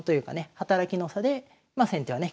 働きの差でまあ先手はね